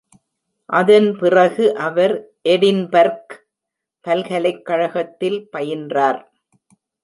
அதன் பிறகு அவர் எடின்பர்க் பல்கலைக்கழகத்தில் பயின்றார்.